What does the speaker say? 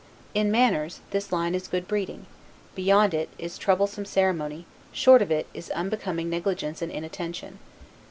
In manners, this line is good breeding; beyond it, is troublesome ceremony; short of it, is unbecoming negligence and inattention.